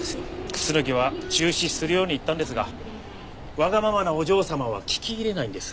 楠木は中止するように言ったんですがわがままなお嬢様は聞き入れないんです。